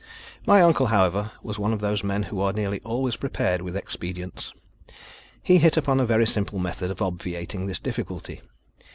My uncle, however, was one of those men who are nearly always prepared with expedients. He hit upon a very simple method of obviating this difficulty.